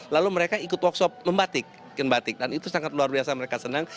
lalu mereka ikut workshop membatik bikin batik dan itu sangat luar biasa mereka senang